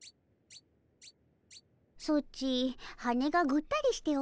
ソチ羽がぐったりしておるの。